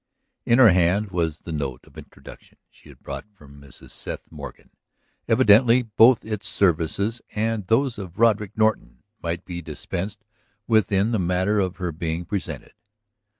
In her hand was the note of introduction she had brought from Mrs. Seth Morgan; evidently both its services and those of Roderick Norton might be dispensed with in the matter of her being presented.